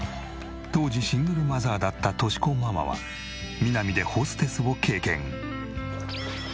当時シングルマザーだった敏子ママはミナミでホステスを経験。